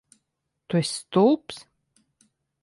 Tu esi stulbs?